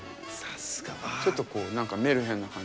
ちょっとこう何かメルヘンな感じ。